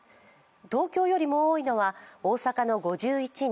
東京よりも多いのは大阪の５１人